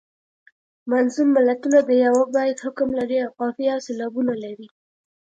منظوم متلونه د یوه بیت حکم لري او قافیه او سیلابونه لري